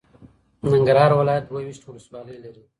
ننګرهار ولایت دوه ویشت ولسوالۍ لري.